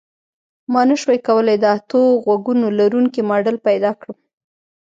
ما نشوای کولی د اتو غوږونو لرونکی ماډل پیدا کړم